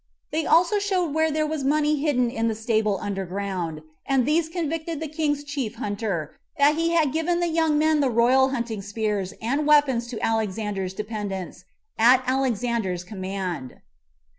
They also showed where there was money hidden in the stable under ground; and these convicted the king's chief hunter, that he had given the young men the royal hunting spears and weapons to Alexander's dependents, at Alexander's command.